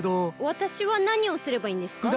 わたしはなにをすればいいんですか？